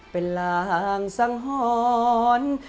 เป็นรางสังธรรม